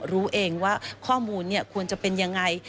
รู้เองว่าข้อมูลนี่ควรจะเป็นอย่างไร